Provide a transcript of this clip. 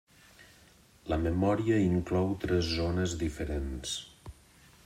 La memòria inclou tres zones diferents.